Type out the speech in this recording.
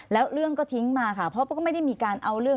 แล้วเรื่องก็ทิ้งมาค่ะเพราะก็ไม่ได้มีการเอาเรื่อง